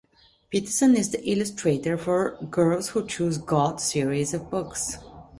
Peterson is the illustrator for the "Girls Who Choose God" series of books.